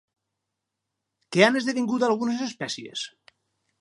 Què han esdevingut algunes espècies?